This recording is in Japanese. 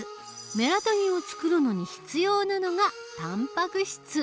メラトニンをつくるのに必要なのがたんぱく質。